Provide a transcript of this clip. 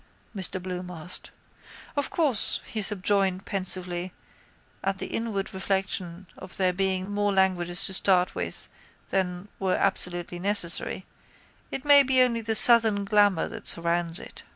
Mr Bloom asked. Of course, he subjoined pensively, at the inward reflection of there being more languages to start with than were absolutely necessary, it may be only the southern glamour that surrounds it.